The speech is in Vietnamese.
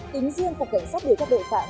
tính riêng của cảnh sát điều chấp đội phạm